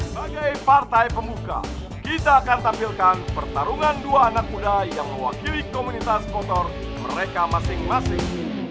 sebagai partai pembuka kita akan tampilkan pertarungan dua anak muda yang mewakili komunitas motor mereka masing masing